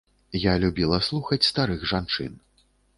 Я любіла слухаць старых жанчын.